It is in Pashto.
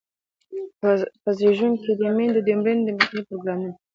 په زیږون کې د میندو د مړینې د مخنیوي پروګرامونه.